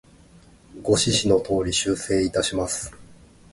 ご指示の通り、修正いたします。